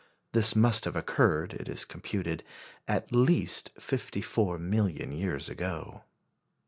This must have occurred, it is computed, at least fifty four million years ago.